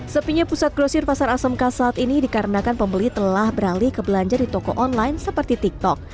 sepinya pusat grosir pasar asmk saat ini dikarenakan pembeli telah beralih ke belanja di toko online seperti tiktok